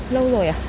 lâu rồi à